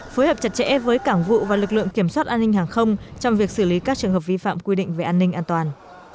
phối hợp chặt chẽ với cảng vụ và lực lượng kiểm soát an ninh hàng không trong việc xử lý các trường hợp vi phạm quy định về an ninh an toàn